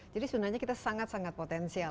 jadi sebenarnya kita sangat sangat potensial